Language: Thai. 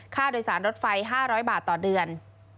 ค่าโดยสารรถไฟ๕๐๐บาทต่อเดือน